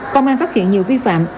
công an phát hiện nhiều vi phạm